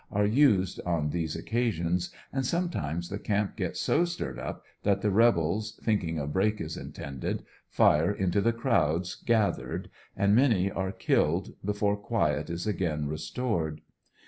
are used on these occasions, and sometimes the camp gets so stirred up that the rebels, thinking a break is intended, fire into the crowds gathered, a:id many are killed before quiet is again restored.